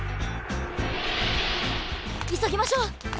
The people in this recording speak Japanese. いそぎましょう！